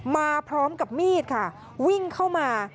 มาพร้อมกับมีดค่ะวิ่งเข้ามา